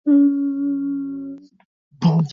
Tulikesha na mwalimu